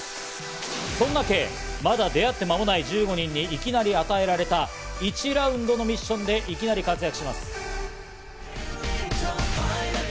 そんなＫ、まだ出会って間もない１５人に、いきなり与えられた１ラウンドのミッションでいきなり活躍します。